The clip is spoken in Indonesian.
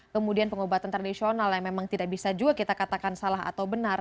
kemudian pengobatan tradisional yang memang tidak bisa juga kita katakan salah atau benar